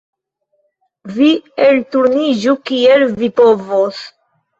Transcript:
Vi elturniĝu kiel vi povos.